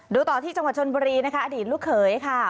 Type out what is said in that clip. ต่อที่จังหวัดชนบุรีนะคะอดีตลูกเขยค่ะ